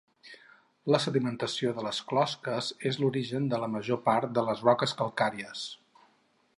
La sedimentació de les closques és l'origen de la major part de les roques calcàries.